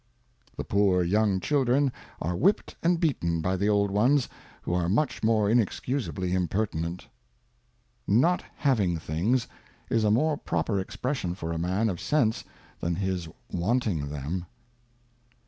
The poor young Children are whipt and beaten by the old ones, who are much more inexcusably impertinent. Not having things, is a more proper Expression for a Man of Sense than his wanting them.